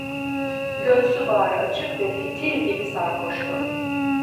Göğsü bağrı açık ve fitil gibi sarhoştu.